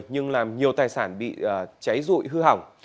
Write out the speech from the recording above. nhưng làm nhiều tài sản bị cháy rụi hư hỏng